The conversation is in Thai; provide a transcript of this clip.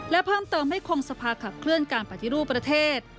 และเพิ่มเติมให้คงสภาขับเคลื่อนการปฏิรูปประเทศ